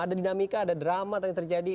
ada dinamika ada drama tadi terjadi